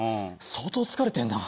相当疲れてんな。